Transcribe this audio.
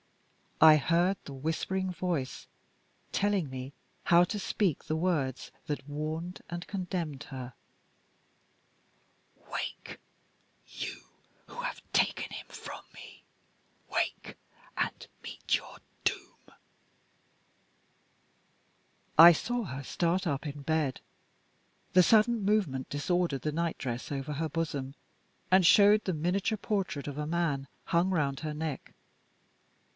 I heard the whispering voice telling me how to speak the words that warned and condemned her: "Wake! you who have taken him from me! Wake! and meet your doom." I saw her start up in bed. The sudden movement disordered the nightdress over her bosom and showed the miniature portrait of a man, hung round her neck.